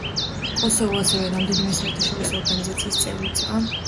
კოსოვო ასევე რამდენიმე საერთაშორისო ორგანიზაციის წევრიცაა.